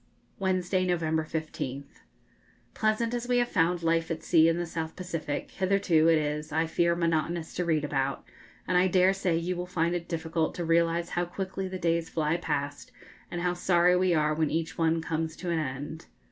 Wednesday, November 15th. Pleasant as we have found life at sea in the South Pacific hitherto, it is, I fear, monotonous to read about, and I dare say you will find it difficult to realise how quickly the days fly past, and how sorry we are when each one comes to an end.